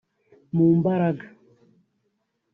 mu mbaraga